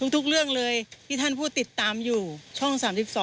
ทุกเรื่องเลยที่ท่านผู้ติดตามอยู่ช่อง๓๒